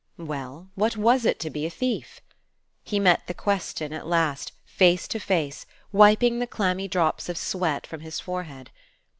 Well, what was it to be a thief? He met the question at last, face to face, wiping the clammy drops of sweat from his forehead.